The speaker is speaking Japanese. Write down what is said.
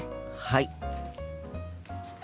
はい。